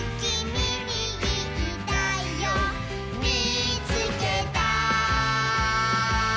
「みいつけた」